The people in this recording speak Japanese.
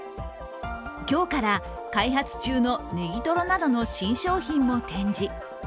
今日から開発中のネギトロなどの新商品も展示。